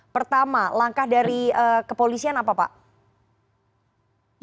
pertama langkah dari kepolisian apa pak